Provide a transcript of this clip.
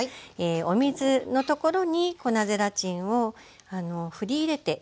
お水のところに粉ゼラチンをふり入れていきます。